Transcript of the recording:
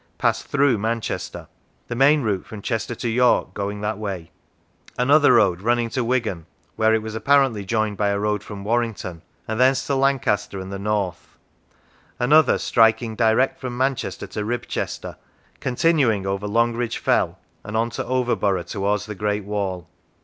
passed through Manchester, the main route from Chester to York going that way; another road running to Wigan (where it was apparently joined by a road from Warrington), and thence to Lancaster and the north; another striking direct from Manchester to Ribchester, con tinuing over Longridge Fell, and on to Overborough, towards the Great Wall.